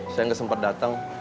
saya gak sempet dateng